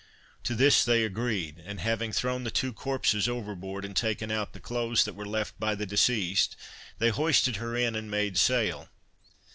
To this they agreed, and having thrown the two corpses overboard, and taken out the clothes that were left by the deceased, they hoisted her in and made sail.